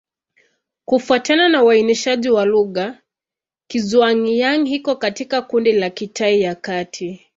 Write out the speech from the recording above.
Kufuatana na uainishaji wa lugha, Kizhuang-Yang iko katika kundi la Kitai ya Kati.